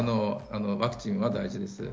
ワクチンは大事です。